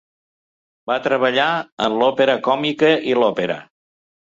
Va treballar en l'Òpera Còmica i l'Òpera.